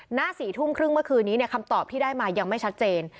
หน้า๔ทุ่มครึ่งเมื่อคืนนี้คำตอบที่ได้มายังไม่ชัดเจน